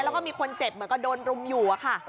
แล้วก็มีคนเจ็บเหมือนกับโดนรุมอยู่อะค่ะ